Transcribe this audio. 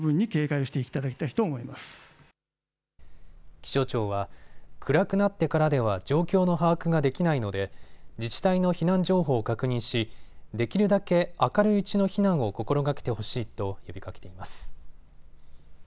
気象庁は、暗くなってからでは状況の把握ができないので自治体の避難情報を確認しできるだけ明るいうちの避難を心がけてほしいと呼びかけています。